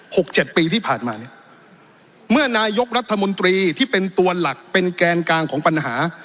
หกเจ็ดปีที่ผ่านมาเนี่ยเมื่อนายกรัฐมนตรีที่เป็นตัวหลักเป็นแกนกลางของปัญหา